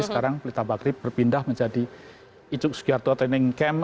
sekarang pelita bakri berpindah menjadi icuk sudiarto training camp